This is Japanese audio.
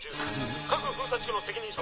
各封鎖地区の責任者は。